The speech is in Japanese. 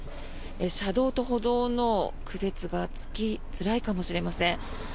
車道と歩道の区別がつきづらいかもしれません。